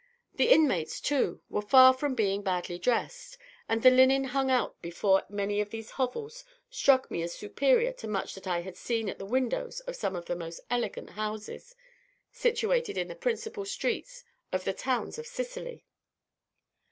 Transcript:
The inmates, too, were far from being badly dressed, and the linen hung out before many of these hovels struck me as superior to much that I had seen at the windows of some of the most elegant houses situated in the principal streets of the towns of Sicily.